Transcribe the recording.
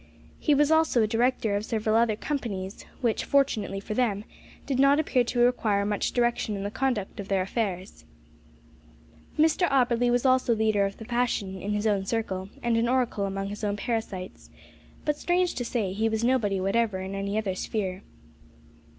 He was also a director of several other companies, which, fortunately for them, did not appear to require much direction in the conduct of their affairs. Mr Auberly was also leader of the fashion, in his own circle, and an oracle among his own parasites; but, strange to say, he was nobody whatever in any other sphere.